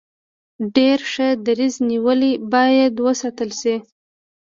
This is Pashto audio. ډیر ښه دریځ نیولی باید وستایل شي.